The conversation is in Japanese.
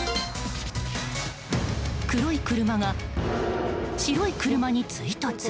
黒い車が白い車に追突。